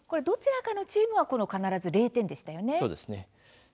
どちらかのチームは必ず０点でしたよね。